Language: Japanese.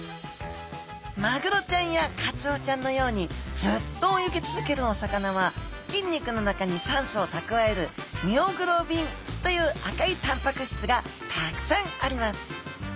マグロちゃんやカツオちゃんのようにずっと泳ぎ続けるお魚は筋肉の中に酸素を蓄えるミオグロビンという赤いタンパク質がたくさんあります。